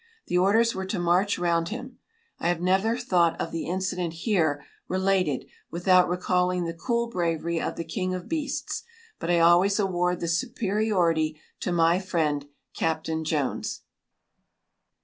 The orders were to march round him. I have never thought of the incident here related without recalling the cool bravery of the king of beasts; but I always award the superiority to my friend, Captain Jones.